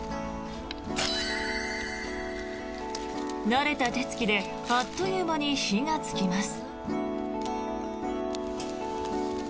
慣れた手付きであっという間に火がつきます。